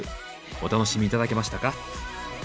お楽しみ頂けましたか？